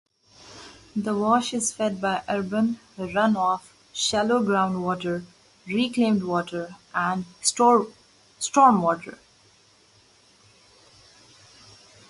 The wash is fed by urban runoff, shallow ground water, reclaimed water, and stormwater.